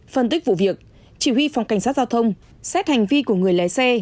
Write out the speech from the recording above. phân tích vụ việc chỉ huy phòng cảnh sát giao thông xét hành vi của người lái xe